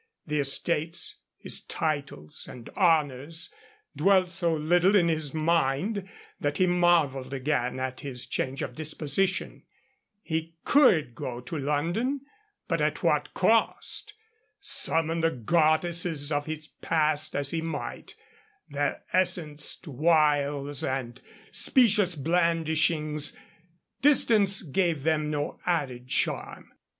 The estates, his titles and honors, dwelt so little in his mind that he marveled again at his change of disposition. He could go to London. But at what cost! Summon the goddesses of his past as he might, their essenced wiles and specious blandishing, distance gave them no added charm.